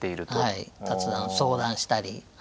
はい雑談相談したり。